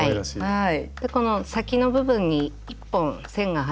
はい。